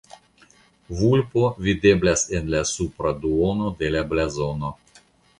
Vulpo videblas en la supra duono de la blazono.